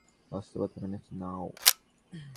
বাস্তবতা মেনে নাও।